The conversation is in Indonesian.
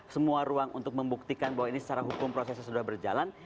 semua ruang untuk membuktikan bahwa ini secara hukum prosesnya sudah berjalan